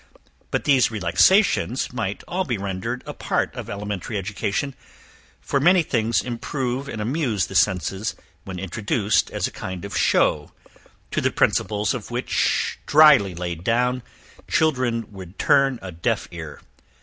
But these relaxations might all be rendered a part of elementary education, for many things improve and amuse the senses, when introduced as a kind of show, to the principles of which dryly laid down, children would turn a deaf ear.